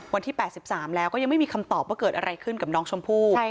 วันที่๘๓แล้วก็ยังไม่มีคำตอบว่าเกิดอะไรขึ้นกับน้องชมพู่